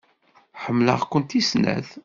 Ḥemmleɣ-kent i snat.